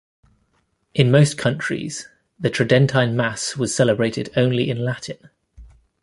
In most countries, the Tridentine Mass was celebrated only in Latin.